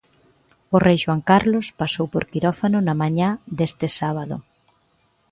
O rei Xoán Carlos pasou por quirófano na mañá deste sábado.